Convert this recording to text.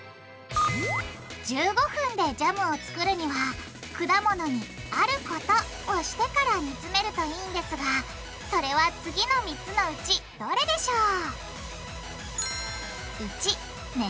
１５分でジャムを作るには果物に「あること」をしてから煮詰めるといいんですがそれは次の３つのうちどれでしょう？